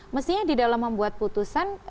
mestinya di dalam membuat putusan